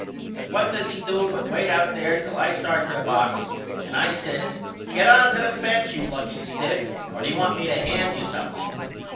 But what does he do but wait out there till I start for the box and I says Get on to the bench you lucky stiff or do you want me to hand you something?